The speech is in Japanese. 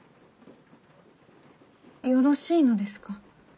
よろしいのですか？